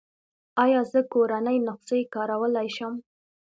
ایا زه کورنۍ نسخې کارولی شم؟